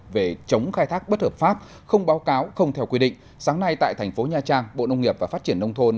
về chống khai thác bất hợp pháp không báo cáo không theo quy định sáng nay tại tp nh bộ nông nghiệp và phát triển nông thôn